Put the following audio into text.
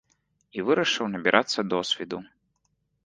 І вырашыў набірацца досведу.